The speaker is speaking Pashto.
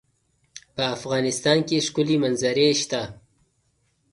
په افغانستان کې ښکلي منظرې شته.